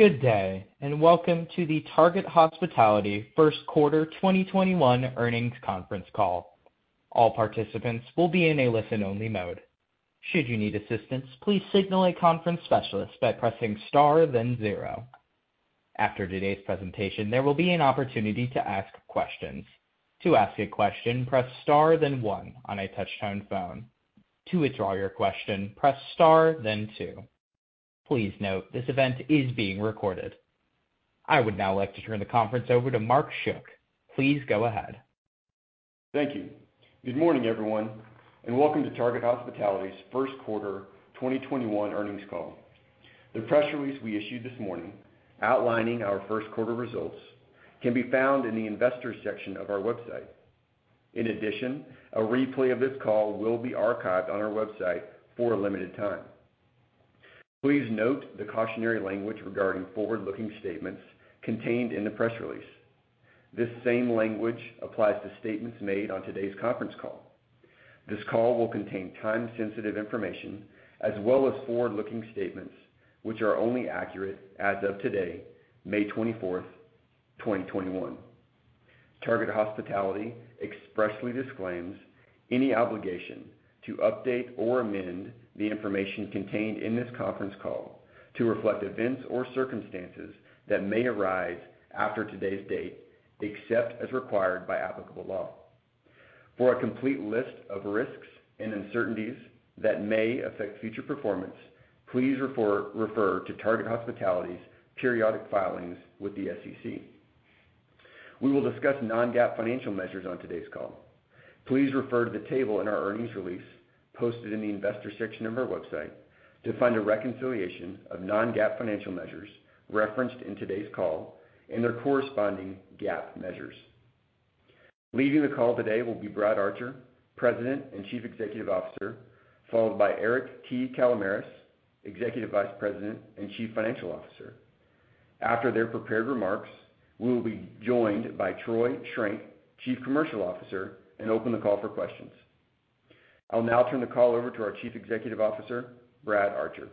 Good day, and welcome to the Target Hospitality first quarter 2021 earnings conference call. All participants will be in a listen only mode. Should you need assistance, please signal a conference specialist by pressing star, then zero. After today's presentation, there will be an opportunity to ask questions. To ask a question, press star then one on a touch-tone phone. To withdraw your question, press star then two. Please note this event is being recorded. I would now like to turn the conference over to Mark Schuck. Please go ahead. Thank you. Good morning, everyone, and welcome to Target Hospitality's first quarter 2021 earnings call. The press release we issued this morning outlining our first quarter results can be found in the Investors section of our website. In addition, a replay of this call will be archived on our website for a limited time. Please note the cautionary language regarding forward-looking statements contained in the press release. This same language applies to statements made on today's conference call. This call will contain time-sensitive information as well as forward-looking statements, which are only accurate as of today, May 24th, 2021. Target Hospitality expressly disclaims any obligation to update or amend the information contained in this conference call to reflect events or circumstances that may arise after today's date, except as required by applicable law. For a complete list of risks and uncertainties that may affect future performance, please refer to Target Hospitality's periodic filings with the SEC. We will discuss non-GAAP financial measures on today's call. Please refer to the table in our earnings release posted in the Investors section of our website to find a reconciliation of non-GAAP financial measures referenced in today's call and their corresponding GAAP measures. Leading the call today will be Brad Archer, President and Chief Executive Officer, followed by Eric T. Kalamaras, Executive Vice President and Chief Financial Officer. After their prepared remarks, we will be joined by Troy Schrenk, Chief Commercial Officer, and open the call for questions. I'll now turn the call over to our Chief Executive Officer, Brad Archer.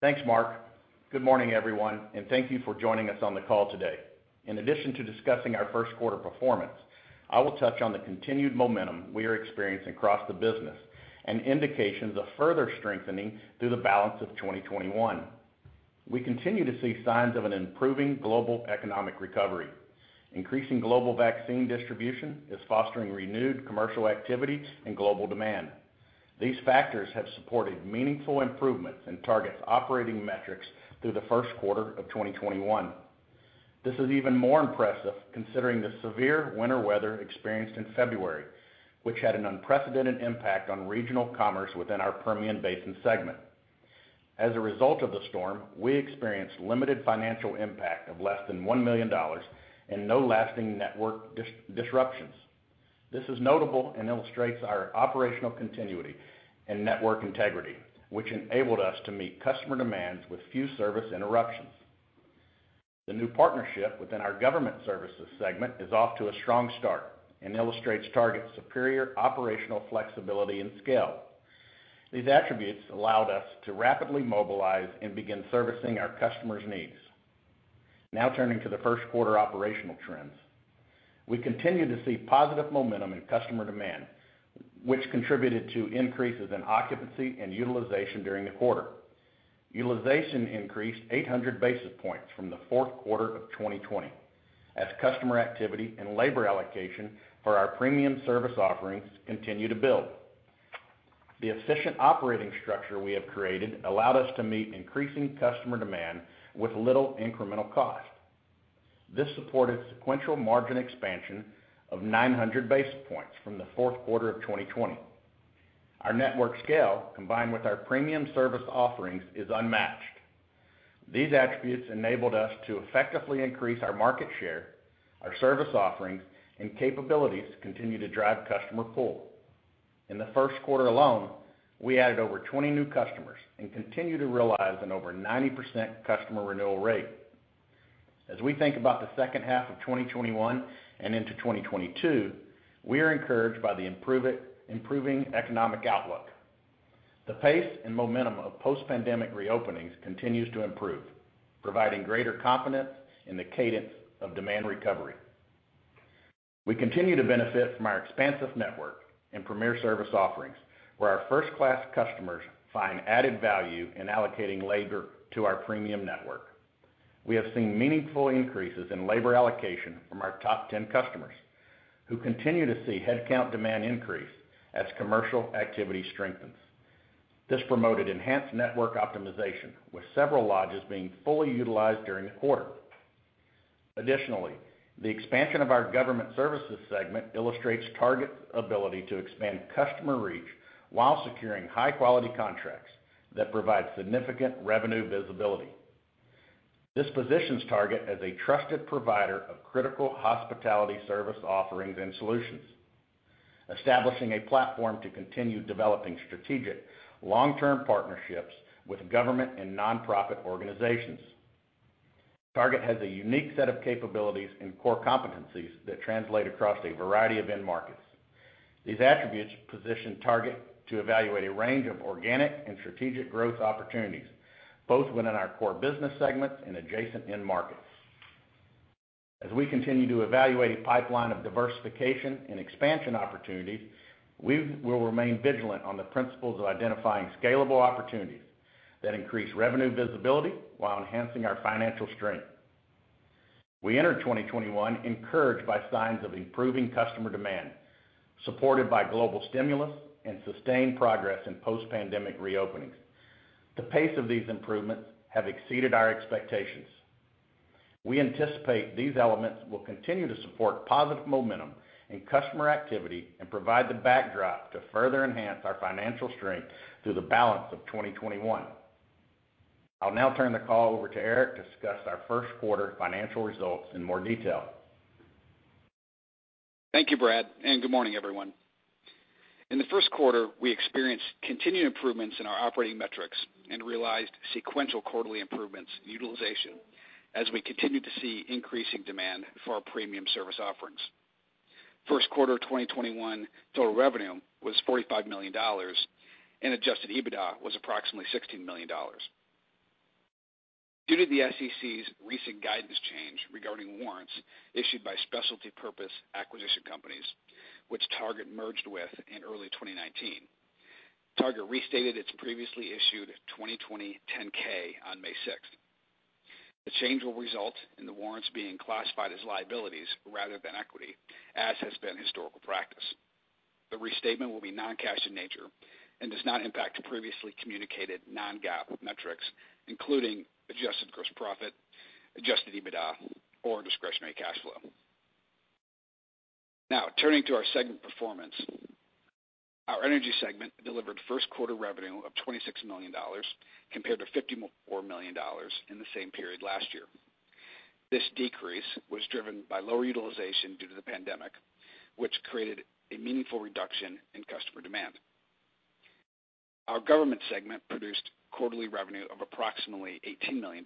Thanks, Mark. Good morning, everyone, and thank you for joining us on the call today. In addition to discussing our first quarter performance, I will touch on the continued momentum we are experiencing across the business and indications of further strengthening through the balance of 2021. We continue to see signs of an improving global economic recovery. Increasing global vaccine distribution is fostering renewed commercial activity and global demand. These factors have supported meaningful improvements in Target's operating metrics through the first quarter of 2021. This is even more impressive considering the severe winter weather experienced in February, which had an unprecedented impact on regional commerce within our Permian Basin segment. As a result of the storm, we experienced limited financial impact of less than $1 million and no lasting network disruptions. This is notable and illustrates our operational continuity and network integrity, which enabled us to meet customer demands with few service interruptions. The new partnership within our Government Services segment is off to a strong start and illustrates Target's superior operational flexibility and scale. These attributes allowed us to rapidly mobilize and begin servicing our customers' needs. Now turning to the first quarter operational trends. We continue to see positive momentum in customer demand, which contributed to increases in occupancy and utilization during the quarter. Utilization increased 800 basis points from the fourth quarter of 2020 as customer activity and labor allocation for our premium service offerings continue to build. The efficient operating structure we have created allowed us to meet increasing customer demand with little incremental cost. This supported sequential margin expansion of 900 basis points from the fourth quarter of 2020. Our network scale, combined with our premium service offerings, is unmatched. These attributes enabled us to effectively increase our market share. Our service offerings and capabilities continue to drive customer pull. In the first quarter alone, we added over 20 new customers and continue to realize an over 90% customer renewal rate. As we think about the second half of 2021 and into 2022, we are encouraged by the improving economic outlook. The pace and momentum of post-pandemic reopenings continues to improve, providing greater confidence in the cadence of demand recovery. We continue to benefit from our expansive network and premier service offerings, where our first-class customers find added value in allocating labor to our premium network. We have seen meaningful increases in labor allocation from our top 10 customers, who continue to see headcount demand increase as commercial activity strengthens. This promoted enhanced network optimization, with several lodges being fully utilized during the quarter. Additionally, the expansion of our Government Services segment illustrates Target's ability to expand customer reach while securing high-quality contracts that provide significant revenue visibility. This positions Target as a trusted provider of critical hospitality service offerings and solutions, establishing a platform to continue developing strategic long-term partnerships with government and nonprofit organizations. Target has a unique set of capabilities and core competencies that translate across a variety of end markets. These attributes position Target to evaluate a range of organic and strategic growth opportunities, both within our core business segments and adjacent end markets. As we continue to evaluate a pipeline of diversification and expansion opportunities, we will remain vigilant on the principles of identifying scalable opportunities that increase revenue visibility while enhancing our financial strength. We enter 2021 encouraged by signs of improving customer demand, supported by global stimulus and sustained progress in post-pandemic reopenings. The pace of these improvements have exceeded our expectations. We anticipate these elements will continue to support positive momentum in customer activity and provide the backdrop to further enhance our financial strength through the balance of 2021. I'll now turn the call over to Eric to discuss our first quarter financial results in more detail. Thank you, Brad. Good morning, everyone. In the first quarter, we experienced continued improvements in our operating metrics and realized sequential quarterly improvements in utilization as we continued to see increasing demand for our premium service offerings. First quarter 2021 total revenue was $45 million and adjusted EBITDA was approximately $16 million. Due to the SEC's recent guidance change regarding warrants issued by special purpose acquisition companies, which Target merged with in early 2019, Target restated its previously issued 2020 10-K on May 6th. The change will result in the warrants being classified as liabilities rather than equity, as has been historical practice. The restatement will be non-cash in nature and does not impact previously communicated non-GAAP metrics, including adjusted gross profit, adjusted EBITDA, or discretionary cash flow. Turning to our segment performance. Our energy segment delivered first quarter revenue of $26 million compared to $54 million in the same period last year. This decrease was driven by low utilization due to the pandemic, which created a meaningful reduction in customer demand. Our government segment produced quarterly revenue of approximately $18 million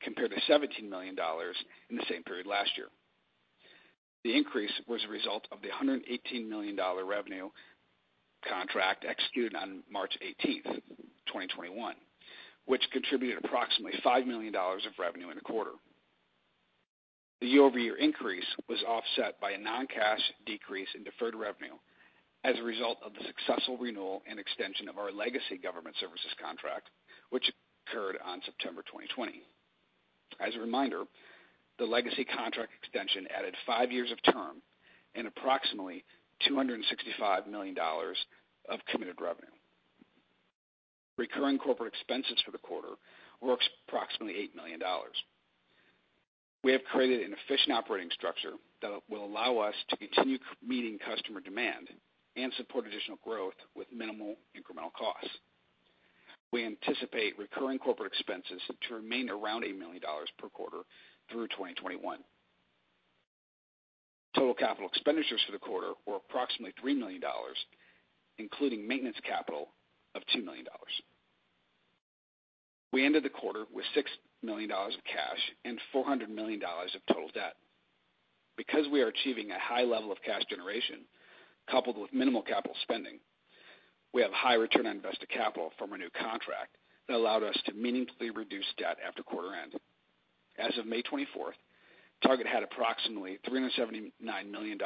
compared to $17 million in the same period last year. The increase was a result of the $118 million revenue contract executed on March 18th, 2021, which contributed approximately $5 million of revenue in the quarter. The year-over-year increase was offset by a non-cash decrease in deferred revenue as a result of the successful renewal and extension of our legacy government services contract, which occurred on September 2020. As a reminder, the legacy contract extension added five years of term and approximately $265 million of committed revenue. Recurring corporate expenses for the quarter were approximately $8 million. We have created an efficient operating structure that will allow us to continue meeting customer demand and support additional growth with minimal incremental costs. We anticipate recurring corporate expenses to remain around $8 million per quarter through 2021. Total capital expenditures for the quarter were approximately $3 million, including maintenance capital of $2 million. We ended the quarter with $6 million of cash and $400 million of total debt. Because we are achieving a high level of cash generation coupled with minimal capital spending, we have high return on invested capital from our new contract that allowed us to meaningfully reduce debt at the quarter end. As of May 24th, Target had approximately $379 million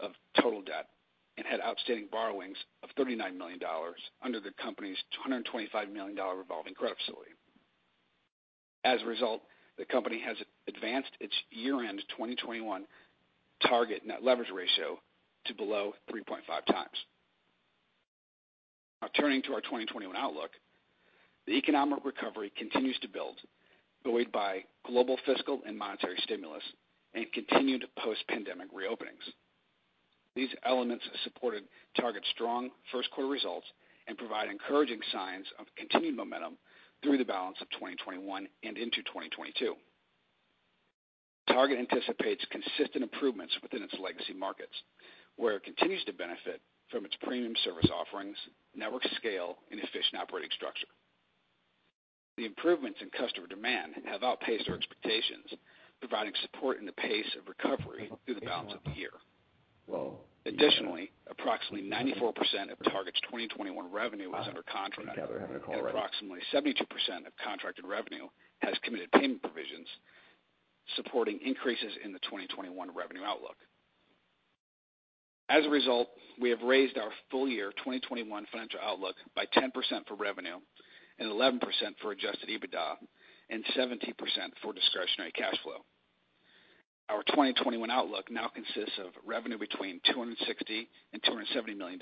of total debt and had outstanding borrowings of $39 million under the company's $225 million revolving credit facility. As a result, the company has advanced its year-end 2021 target net leverage ratio to below 3.5x. Now turning to our 2021 outlook. The economic recovery continues to build, buoyed by global fiscal and monetary stimulus and continued post-pandemic reopenings. These elements have supported Target's strong first quarter results and provide encouraging signs of continued momentum through the balance of 2021 and into 2022. Target anticipates consistent improvements within its legacy markets, where it continues to benefit from its premium service offerings, network scale, and efficient operating structure. The improvements in customer demand have outpaced our expectations, providing support in the pace of recovery through the balance of the year. Additionally, approximately 94% of Target's 2021 revenue is under contract, and approximately 72% of contracted revenue has committed payment provisions supporting increases in the 2021 revenue outlook. As a result, we have raised our full-year 2021 financial outlook by 10% for revenue and 11% for adjusted EBITDA and 17% for discretionary cash flow. Our 2021 outlook now consists of revenue between $260 million and $270 million,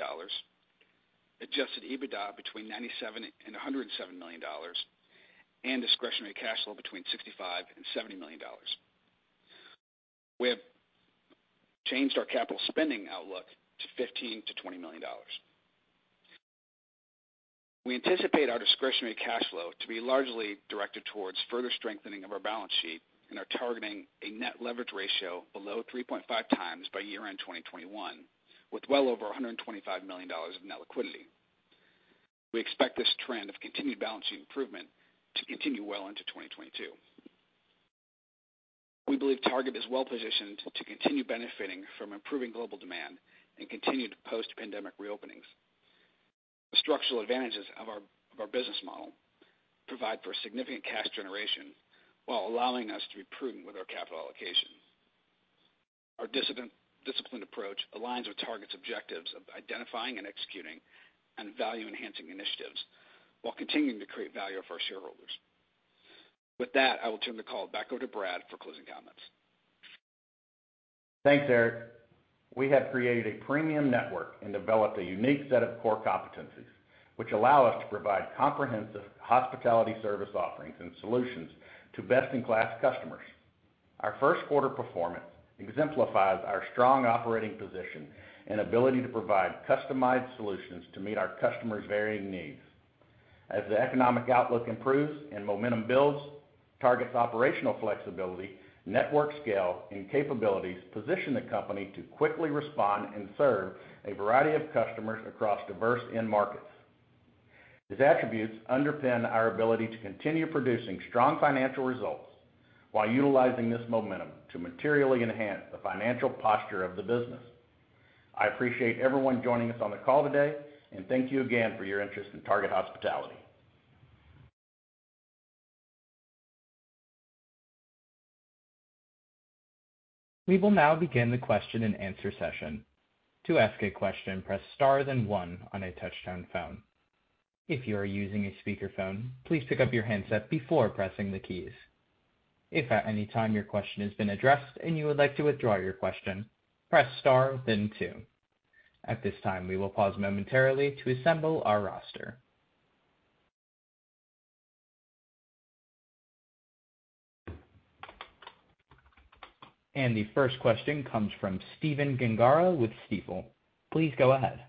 adjusted EBITDA between $97 million and $107 million, and discretionary cash flow between $65 million and $70 million. We have changed our capital spending outlook to $15 million-$20 million. We anticipate our discretionary cash flow to be largely directed towards further strengthening of our balance sheet and are targeting a net leverage ratio below 3.5x by year-end 2021 with well over $125 million in net liquidity. We expect this trend of continued balancing improvement to continue well into 2022. We believe Target is well-positioned to continue benefiting from improving global demand and continued post-pandemic reopenings. The structural advantages of our business model provide for significant cash generation while allowing us to be prudent with our capital allocation. Our disciplined approach aligns with Target Hospitality's objectives of identifying and executing on value-enhancing initiatives while continuing to create value for our shareholders. With that, I will turn the call back over to Brad Archer for closing comments. Thanks, Eric. We have created a premium network and developed a unique set of core competencies, which allow us to provide comprehensive hospitality service offerings and solutions to best-in-class customers. Our first quarter performance exemplifies our strong operating position and ability to provide customized solutions to meet our customers' varying needs. As the economic outlook improves and momentum builds, Target's operational flexibility, network scale, and capabilities position the company to quickly respond and serve a variety of customers across diverse end markets. These attributes underpin our ability to continue producing strong financial results while utilizing this momentum to materially enhance the financial posture of the business. I appreciate everyone joining us on the call today, and thank you again for your interest in Target Hospitality. We will now begin the question and answer session. To ask a question, press star then one on a touch-tone phone. If you're using a speakerphone, please pick up your handset before pressing the keys. If at any time your question has been addressed and you would like to withdraw your question, press star within two. At this time, we will pause momentarily to assemble our roster. The first question comes from Stephen Gengaro with Stifel. Please go ahead.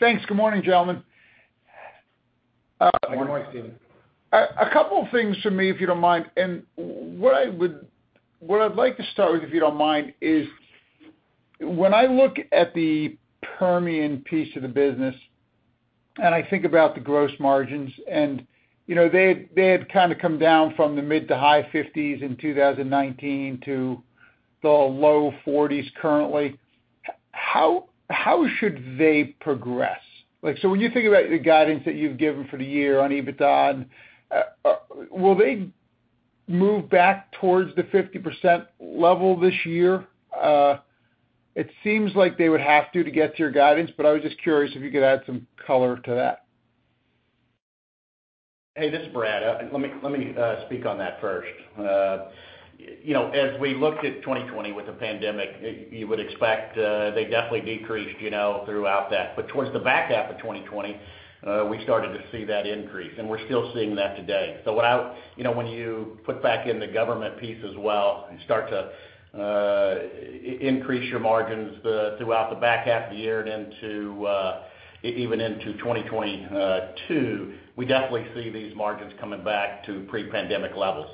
Thanks. Good morning, gentlemen. Good morning, Stephen. A couple of things from me, if you don't mind. What I'd like to start with, if you don't mind, is when I look at the Permian piece of the business, and I think about the gross margins and they had kind of come down from the mid to high 50s in 2019 to the low 40s currently. How should they progress? When you think about the guidance that you've given for the year on EBITDA, will they move back towards the 50% level this year? It seems like they would have to get to your guidance, I was just curious if you could add some color to that. Hey, this is Brad. Let me speak on that first. As we looked at 2020 with the pandemic, you would expect they definitely decreased throughout that. Towards the back half of 2020, we started to see that increase, and we're still seeing that today. When you put back in the government piece as well and start to increase your margins throughout the back half of the year and even into 2022, we definitely see these margins coming back to pre-pandemic levels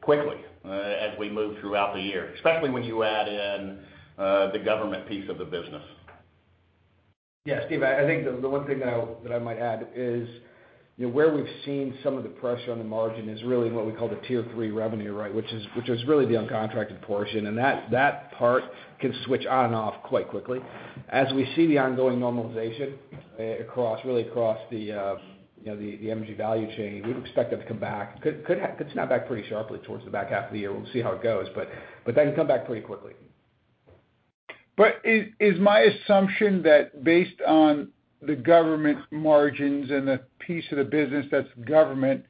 quickly as we move throughout the year, especially when you add in the government piece of the business. Yeah, Steve, I think the one thing that I might add is where we've seen some of the pressure on the margin is really what we call the Tier 3 revenue, right? Which is really the uncontracted portion, and that part can switch on and off quite quickly. As we see the ongoing normalization really across the energy value chain, we'd expect that to come back. Could snap back pretty sharply towards the back half of the year. We'll see how it goes, but that can come back pretty quickly. Is my assumption that based on the government margins and the piece of the business that's government,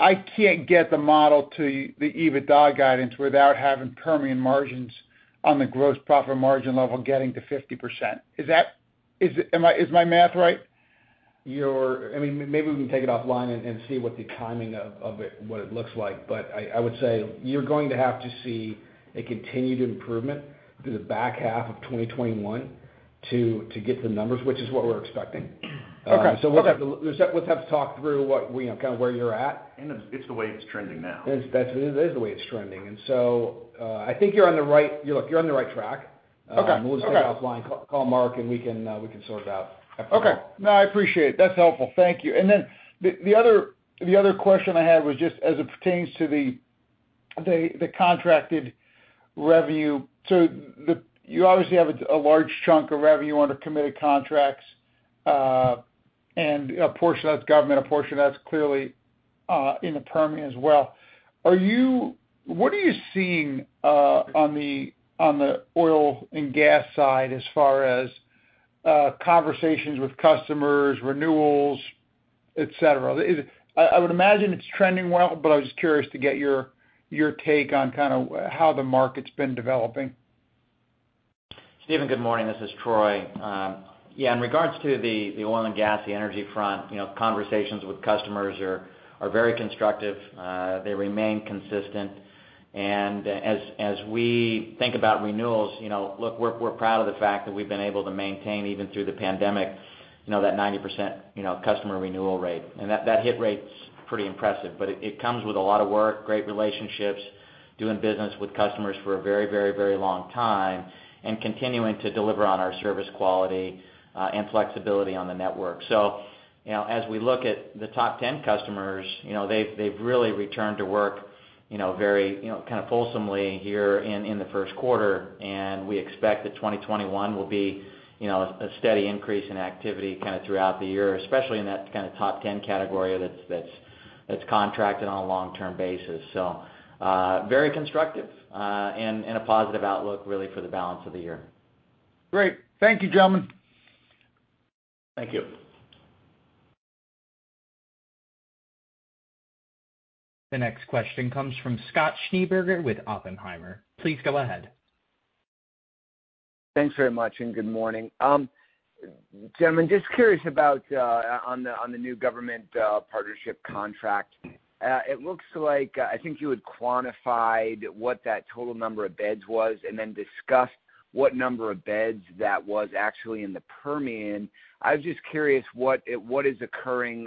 I can't get the model to the EBITDA guidance without having Permian margins on the gross profit margin level getting to 50%. Is my math right? Maybe we can take it offline and see what the timing of it, what it looks like. I would say you're going to have to see a continued improvement through the back half of 2021 to get the numbers, which is what we're expecting. Okay. We'll have to talk through kind of where you're at. It's the way it's trending now. That's the way it's trending. I think you're on the right track. Okay. We'll just take it offline. Call Mark and we can sort out after the call. Okay. No, I appreciate it. That's helpful. Thank you. The other question I had was just as it pertains to the contracted revenue. You obviously have a large chunk of revenue under committed contracts, and a portion of that's government, a portion of that's clearly in the Permian as well. What are you seeing on the oil and gas side as far as conversations with customers, renewals, etc? I would imagine it's trending well, but I was just curious to get your take on kind of how the market's been developing. Stephen Gengaro, good morning. This is Troy. Yeah, in regards to the oil and gas, the energy front, conversations with customers are very constructive. They remain consistent. As we think about renewals, look, we're proud of the fact that we've been able to maintain, even through the pandemic, that 90% customer renewal rate. That hit rate's pretty impressive, but it comes with a lot of work, great relationships, doing business with customers for a very long time, and continuing to deliver on our service quality and flexibility on the network. As we look at the top 10 customers, they've really returned to work very fulsomely here in the first quarter. We expect that 2021 will be a steady increase in activity throughout the year, especially in that top 10 category that's contracted on a long-term basis. Very constructive and a positive outlook really for the balance of the year. Great. Thank you, gentlemen. Thank you. The next question comes from Scott Schneeberger with Oppenheimer. Please go ahead. Thanks very much, and good morning. Gentlemen, just curious about on the new government partnership contract. It looks like, I think you had quantified what that total number of beds was and then discussed what number of beds that was actually in the Permian. I was just curious what is occurring,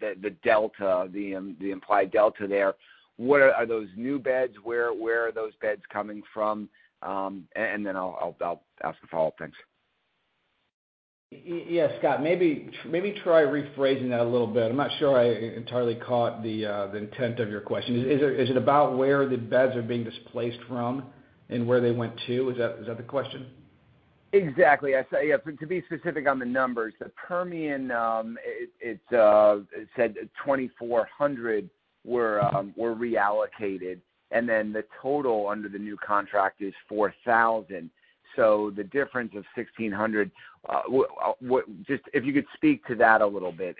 the delta, the implied delta there. Are those new beds? Where are those beds coming from? Then I'll ask a follow-up. Thanks. Yeah, Scott, maybe try rephrasing that a little bit. I'm not sure I entirely caught the intent of your question. Is it about where the beds are being displaced from and where they went to? Is that the question? Exactly. To be specific on the numbers, the Permian, it said 2,400 were reallocated, and then the total under the new contract is 4,000. The difference of 1,600, if you could speak to that a little bit.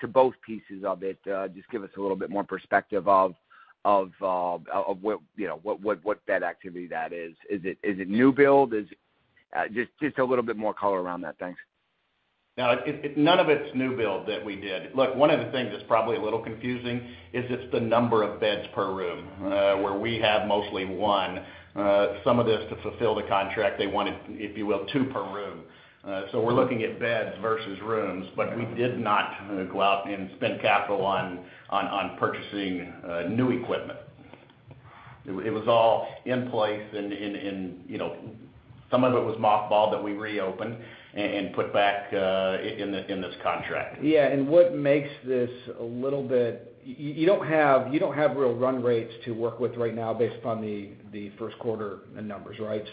To both pieces of it, just give us a little bit more perspective of what bed activity that is. Is it new build? Just a little bit more color around that. Thanks. None of it's new build that we did. One of the things that's probably a little confusing is it's the number of beds per room, where we have mostly one. Some of this to fulfill the contract they wanted, if you will, two per room. We're looking at beds versus rooms, but we did not go out and spend capital on purchasing new equipment. It was all in place, and some of it was mothballed that we reopened and put back in this contract. What makes this you don't have real run rates to work with right now based on the first quarter numbers, right?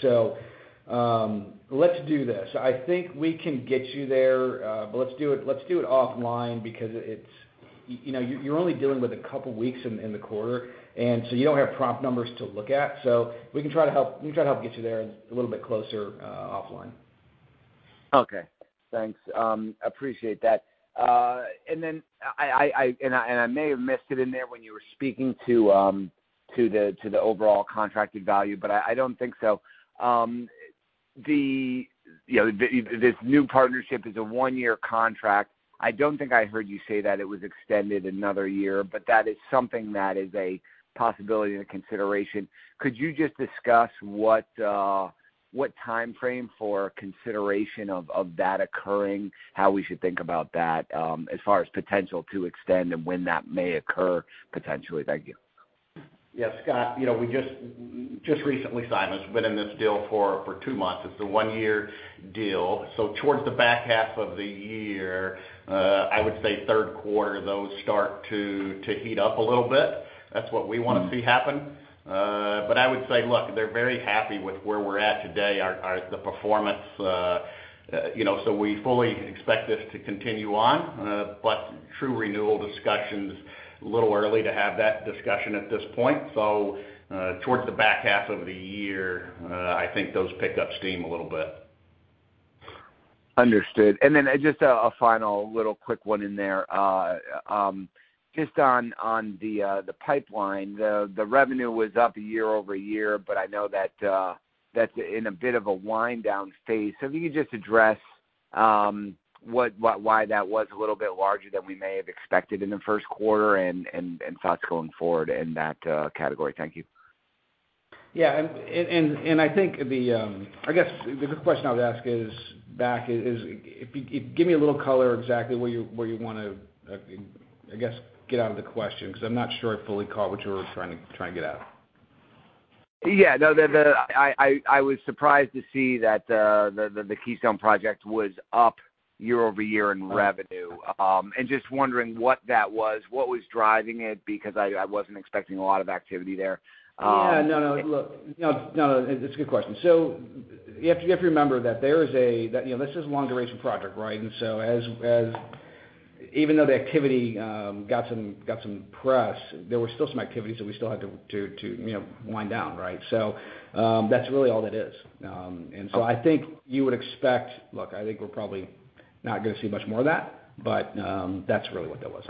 Let's do this. I think we can get you there. Let's do it offline because you're only dealing with a couple weeks in the quarter, and so you don't have prompt numbers to look at. We can try to help get you there a little bit closer offline. Okay, thanks. Appreciate that. I may have missed it in there when you were speaking to the overall contracted value, but I don't think so. This new partnership is a one-year contract. I don't think I heard you say that it was extended another year, but that is something that is a possibility and a consideration. Could you just discuss what timeframe for consideration of that occurring, how we should think about that as far as potential to extend and when that may occur potentially? Thank you. Yeah, Scott, we just recently signed. It's been in this deal for two months. It's a one-year deal. Towards the back half of the year, I would say third quarter, those start to heat up a little bit. That's what we want to see happen. I would say, look, they're very happy with where we're at today, the performance. We fully expect this to continue on. True renewal discussions, a little early to have that discussion at this point. Towards the back half of the year, I think those pick up steam a little bit. Understood. Just a final little quick one in there. Just on the pipeline, the revenue was up year-over-year. I know that's in a bit of a wind down state. If you could just address why that was a little bit larger than we may have expected in the first quarter and thoughts going forward in that category. Thank you. Yeah, I think the question I'll ask back is, give me a little color exactly what you want to, I guess, get out of the question, because I'm not sure I fully caught what you were trying to get at. Yeah. I was surprised to see that the Keystone project was up year-over-year in revenue, and just wondering what that was, what was driving it, because I wasn't expecting a lot of activity there. Yeah, no, look, that's a good question. You have to remember that this is a long-duration project. Even though the activity got some press, there was still some activity, so we still had to wind down. That's really all it is. I think you would expect, look, I think we're probably not going to see much more of that, but that's really what that was.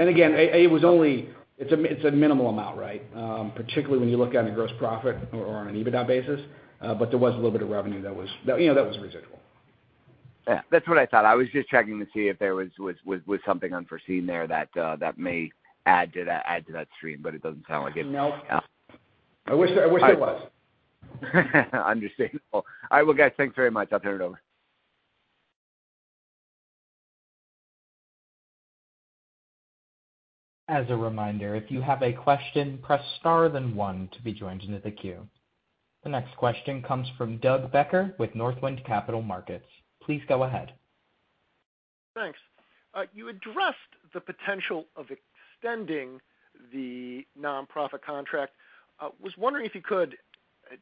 Again, it's a minimal amount. Particularly when you look on a gross profit or on an EBITDA basis, but there was a little bit of revenue that was residual. That's what I thought. I was just checking to see if there was something unforeseen there that may add to that stream, but it doesn't sound like it. Nope. I wish it was. Understandable. Okay, thanks very much. I'll turn it over. As a reminder, if you have a question, press star then one to be joined into the queue. The next question comes from Doug Becker with Northland Capital Markets. Please go ahead. Thanks. You addressed the potential of extending the nonprofit contract. I was wondering if you could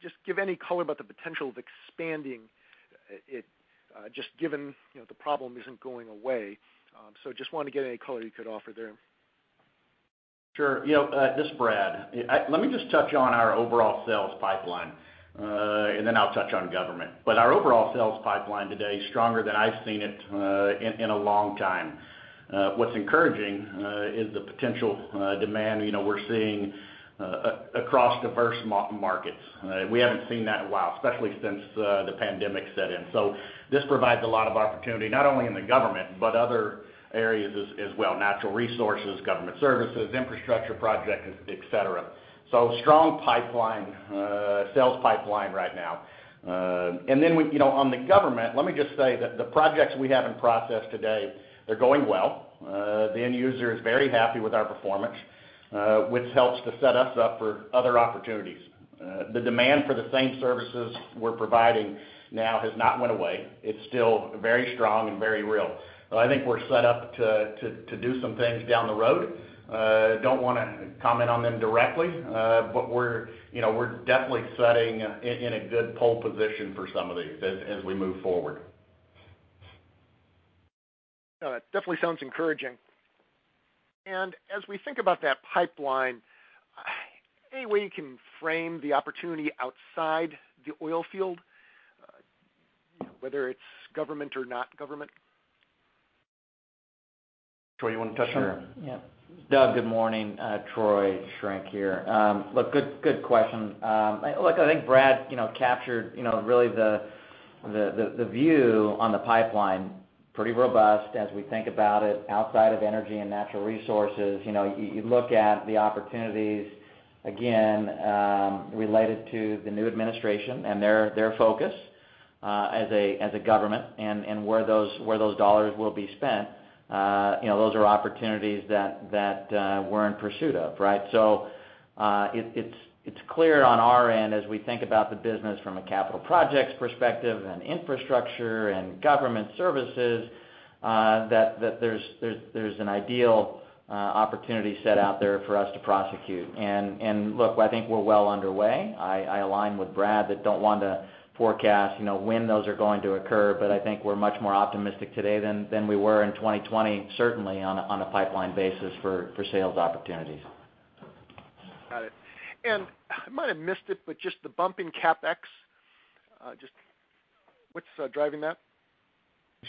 just give any color about the potential of expanding it, just given the problem isn't going away. Just want to get any color you could offer there. Sure. This is Brad. Let me just touch on our overall sales pipeline, and then I'll touch on government. Our overall sales pipeline today is stronger than I've seen it in a long time. What's encouraging is the potential demand we're seeing across diverse markets. We haven't seen that in a while, especially since the pandemic set in. This provides a lot of opportunity, not only in the government but other areas as well, natural resources, government services, infrastructure projects, etc. Strong sales pipeline right now. On the government, let me just say that the projects we have in process today are going well. The end user is very happy with our performance, which helps to set us up for other opportunities. The demand for the same services we're providing now has not went away. It's still very strong and very real. I think we're set up to do some things down the road. Don't want to comment on them directly, but we're definitely sitting in a good pole position for some of these as we move forward. It definitely sounds encouraging. As we think about that pipeline, any way you can frame the opportunity outside the oil field, whether it's government or not government? Troy, you want to touch on that? Sure. Doug, good morning. Troy Schrenk here. Look, good question. Look, I think Brad captured really the view on the pipeline. Pretty robust as we think about it outside of energy and natural resources. You look at the opportunities, again, related to the new administration and their focus as a government and where those dollars will be spent. Those are opportunities that we're in pursuit of, right? It's clear on our end as we think about the business from a capital projects perspective and infrastructure and government services, that there's an ideal opportunity set out there for us to prosecute. Look, I think we're well underway. I align with Brad that don't want to forecast when those are going to occur, but I think we're much more optimistic today than we were in 2020, certainly on a pipeline basis for sales opportunities. Got it. I might have missed it, but just the bump in CapEx, just what's driving that?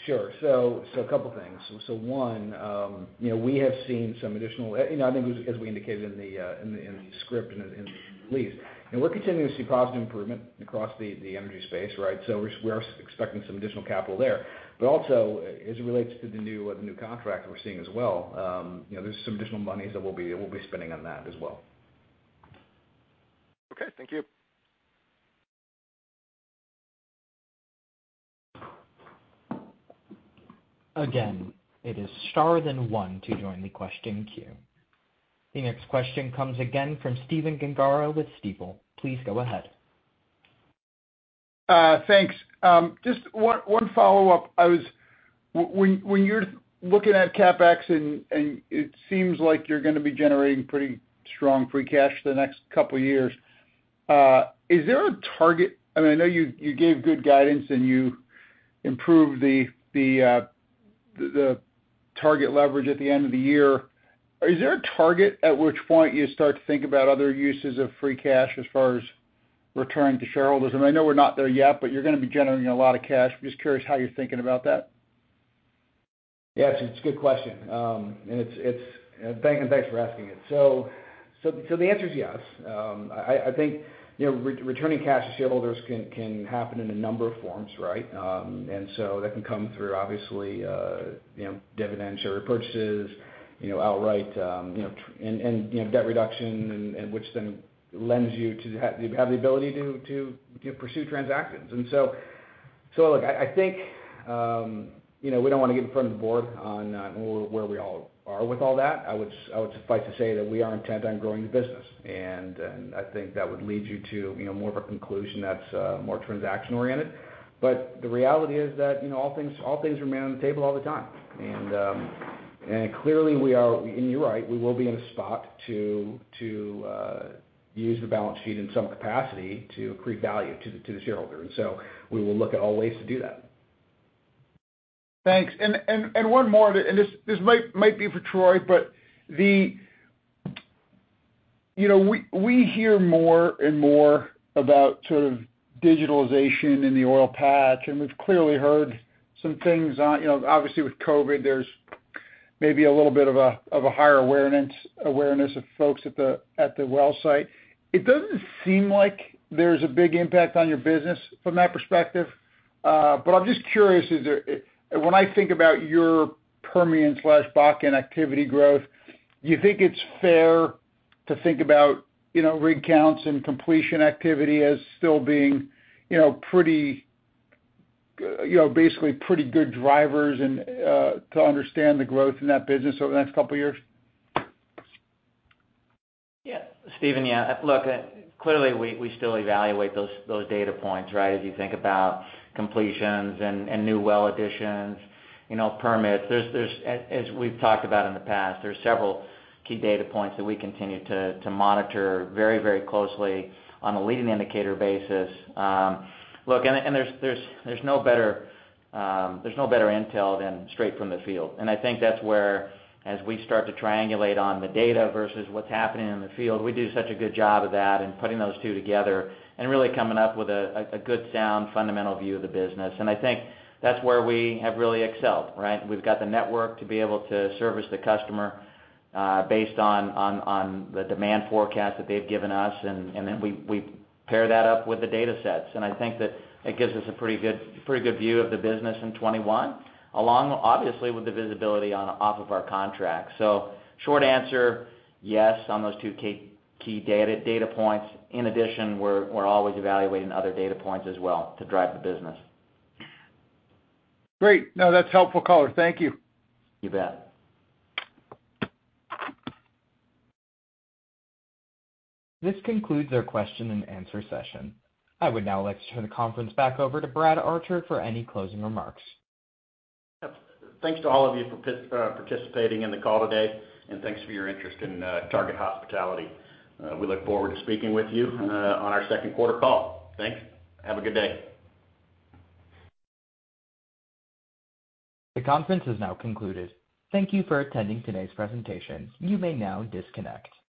Sure. A couple of things. One, we have seen some additional, and I think as we indicated in the script and in the release, and we're continuing to see positive improvement across the energy space, right? We are expecting some additional capital there. Also, as it relates to the new contract we're seeing as well, there's some additional monies that we'll be spending on that as well. Okay. Thank you. Again, It is star then one to join the question queue. The next question comes again from Stephen Gengaro with Stifel. Please go ahead. Thanks. Just one follow-up. When you're looking at CapEx, it seems like you're going to be generating pretty strong free cash for the next couple of years. Is there a target? I know you gave good guidance, you improved the target leverage at the end of the year. Is there a target at which point you start to think about other uses of free cash as far as returning to shareholders? I know we're not there yet, you're going to be generating a lot of cash. I'm just curious how you're thinking about that. Yes, it's a good question. Thanks for asking it. The answer is yes. I think returning cash to shareholders can happen in a number of forms, right? That can come through, obviously, dividend share repurchases, outright, and debt reduction, which then lends you to have the ability to pursue transactions. I think we don't want to get in front of the board on where we are with all that. I would just like to say that we are intent on growing the business, and I think that would lead you to more of a conclusion that's more transaction-oriented. The reality is that all things remain on the table all the time. Clearly, and you're right, we will be in a spot to use the balance sheet in some capacity to create value to the shareholder. We will look at all ways to do that. Thanks. One more, this might be for Troy, we hear more and more about sort of digitalization in the oil patch, we've clearly heard some things. Obviously, with COVID, there's maybe a little bit of a higher awareness of folks at the well site. It doesn't seem like there's a big impact on your business from that perspective. I'm just curious, when I think about your Permian/Bakken activity growth, do you think it's fair to think about rig counts and completion activity as still being pretty. Basically pretty good drivers to understand the growth in that business over the next couple of years? Yeah. Stephen, look, clearly we still evaluate those data points, right? If you think about completions and new well additions, permits. As we've talked about in the past, there's several key data points that we continue to monitor very closely on a leading indicator basis. Look, there's no better intel than straight from the field. I think that's where, as we start to triangulate on the data versus what's happening in the field, we do such a good job of that and putting those two together and really coming up with a good, sound, fundamental view of the business. I think that's where we have really excelled, right? We've got the network to be able to service the customer based on the demand forecast that they've given us, and then we pair that up with the data sets. I think that it gives us a pretty good view of the business in 2021, along obviously with the visibility off of our contract. Short answer, yes, on those two key data points. In addition, we're always evaluating other data points as well to drive the business. Great. That's helpful, Troy. Thank you. You bet. This concludes our question and answer session. I would now like to turn the conference back over to Brad Archer for any closing remarks. Thanks to all of you for participating in the call today, and thanks for your interest in Target Hospitality. We look forward to speaking with you on our second quarter call. Thanks. Have a good day. The conference has now concluded. Thank you for attending today's presentation. You may now disconnect.